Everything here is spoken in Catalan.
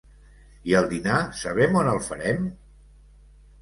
I el dinar sabem on el farem?